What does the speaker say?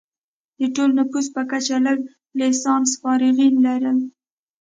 د ټول نفوس په کچه لږ لسانس فارغین لرل.